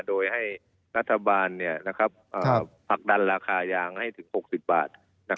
โดยให้รัฐบาลผลักดันราคายางให้ถึง๖๐บาท